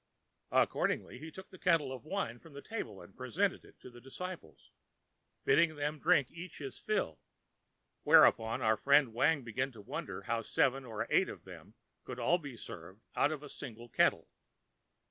ã Accordingly he took a kettle of wine from the table and presented it to the disciples, bidding them drink each his fill; whereupon our friend Wang began to wonder how seven or eight of them could all be served out of a single kettle.